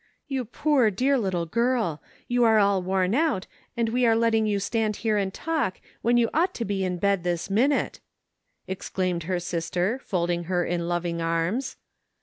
'* You poor, dear little girl ! You are all worn out and we are letting you stand here and talk when you ought to be in bed this minute," exclaimed her sister, folding her in loving arms.